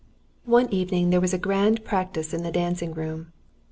] One evening there was a grand practice in the dancing room.